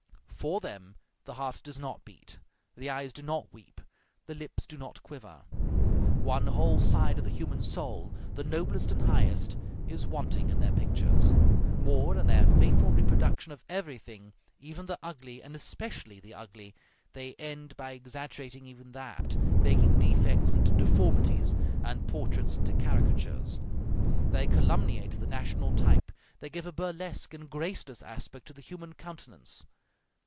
For them the heart does not beat, the eyes do not weep, the lips do not quiver. One whole side of the human soul, the noblest and highest, is wanting in their pictures. More: in their faithful reproduction of everything, even the ugly, and especially the ugly, they end by exaggerating even that, making defects into deformities and portraits into caricatures; they calumniate the national type; they give a burlesque and graceless aspect to the human countenance.